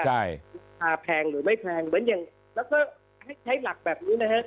ปัญหาแพงหรือไม่แพงแล้วก็ใช้หลักแบบนี้นะครับ